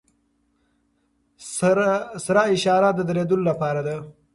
سره اشاره د دریدو لپاره ده.